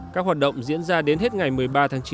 các hoạt động diễn ra đến hết ngày một mươi ba tháng chín